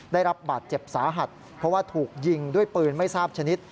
ได้รับบาดเจ็บสาหัสเพราะว่าถูกยิงด้วยปืนไม่ทราบชนิด